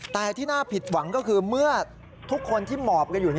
แต่ที่น่าผิดหวังก็คือเมื่อทุกคนที่หมอบกันอยู่